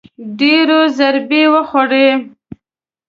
ډېرو ضربې وخوړې